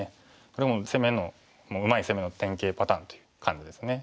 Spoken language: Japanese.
これもうまい攻めの典型パターンという感じですね。